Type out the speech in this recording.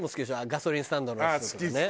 ガソリンスタンドの人とかね。